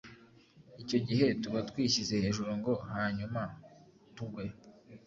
icyo gihe tuba twishyize hejuru ngo hanyuma tugwe.